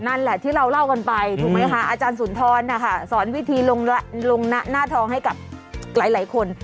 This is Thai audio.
นั่นแหละที่เราเล่ากันไปถูกไหมคะอาจารย์สุนทรนะคะสอนวิธีลงหน้าทองให้กับหลายคน